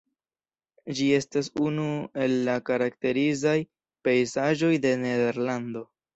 Ĝi estas unu el la karakterizaj pejzaĝoj de Nederlando.